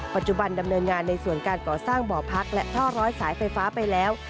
ปัจจุบันดำเนินงานในส่วนการก่อสร้างบ่อพักและท่อร้อยสายไฟฟ้าไปแล้ว